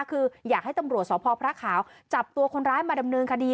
คืออยากให้ตำรวจสพพระขาวจับตัวคนร้ายมาดำเนินคดี